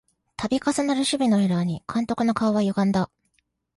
たび重なる守備のエラーに監督の顔はゆがんだ